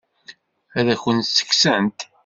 Ad akent-tt-kksent?